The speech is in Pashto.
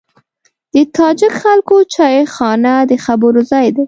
د تاجک خلکو چایخانه د خبرو ځای دی.